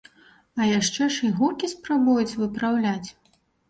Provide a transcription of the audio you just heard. А яшчэ ж і гукі спрабуюць выпраўляць!